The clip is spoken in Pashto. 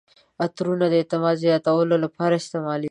عطرونه د اعتماد زیاتولو لپاره استعمالیږي.